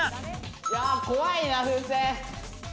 いやこわいな風船。